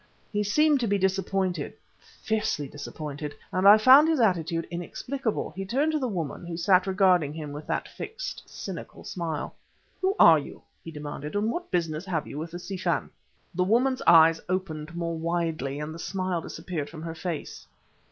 He seemed to be disappointed fiercely disappointed; and I found his attitude inexplicable. He turned to the woman who sat regarding him with that fixed cynical smile. "Who are you?" he demanded; "and what business have you with the Si Fan?" The woman's eyes opened more widely, and the smile disappeared from her face.